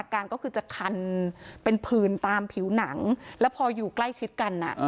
การก็คือจะคันเป็นผื่นตามผิวหนังแล้วพออยู่ใกล้ชิดกัน